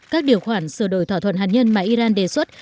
các điều khoản sửa đổi thỏa thuận hạt nhân mà iran đề xuất